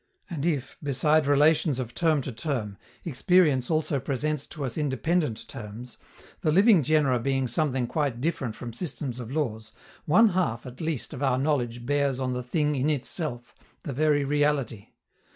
And if, beside relations of term to term, experience also presents to us independent terms, the living genera being something quite different from systems of laws, one half, at least, of our knowledge bears on the "thing in itself," the very reality.